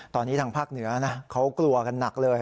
ตอนนี้ทางภาคเหนือนะเขากลัวกันหนักเลย